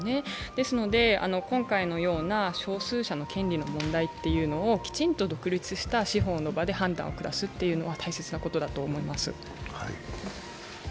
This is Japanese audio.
ですので、今回のような少数者の権利の問題をきちんと独立した司法の場で判断を下すというのは大切だと思います。